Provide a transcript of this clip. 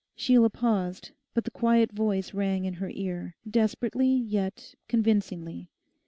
Sheila paused, but the quiet voice rang in her ear, desperately yet convincingly.